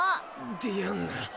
「ディアンヌ」